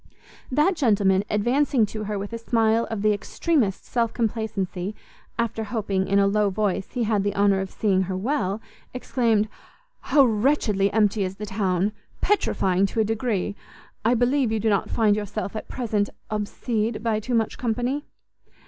That gentleman, advancing to her with a smile of the extremest self complacency, after hoping, in a low voice, he had the honour of seeing her well, exclaimed, "How wretchedly empty is the town! petrifying to a degree! I believe you do not find yourself at present obsede by too much company?"